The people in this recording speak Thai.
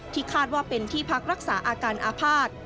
คาดว่าเป็นที่พักรักษาอาการอาภาษณ์